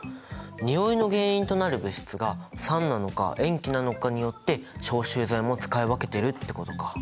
においの原因となる物質が酸なのか塩基なのかによって消臭剤も使い分けてるってことか。